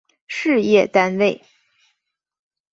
事业单位